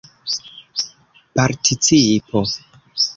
participo